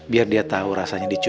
biar dia tahu rasanya dicuci